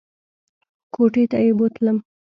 کوټې ته یې بوتلم !